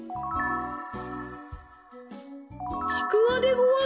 ちくわでごわす。